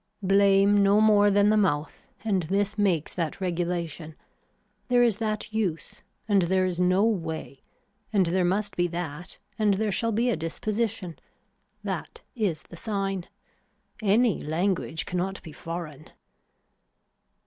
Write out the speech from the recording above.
Blame no more than the mouth and this makes that regulation. There is that use and there is no way and there must be that and there shall be a disposition. That is the sign. Any language cannot be foreign.